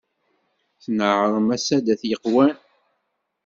Tneɛrem a saddat yeqqwan.